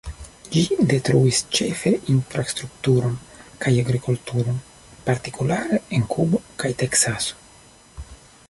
Ĝi detruis ĉefe infrastrukturon kaj agrikulturon, partikulare en Kubo kaj Teksaso.